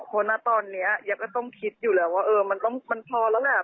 เพราะตอนนี้แยะก็ต้องคิดอยู่แหล่ะว่าเออมันพอแล้วแหละ